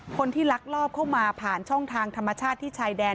ลักลอบเข้ามาผ่านช่องทางธรรมชาติที่ชายแดน